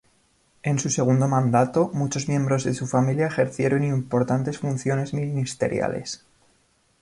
En su segundo mandato muchos miembros de su familia ejercieron importantes funciones ministeriales.